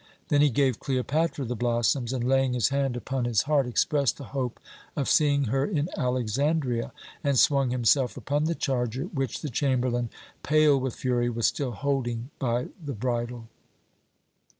Then he gave Cleopatra the blossoms and, laying his hand upon his heart, expressed the hope of seeing her in Alexandria, and swung himself upon the charger which the chamberlain, pale with fury, was still holding by the bridle.